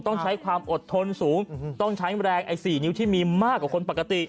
ต้องใช้ความอดทนสูงต้องใช้แรงไอ้๔นิ้วที่มีมากกว่าคนปกติ